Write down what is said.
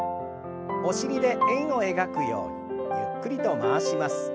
お尻で円を描くようにゆっくりと回します。